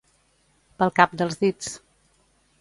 Pel cap dels dits.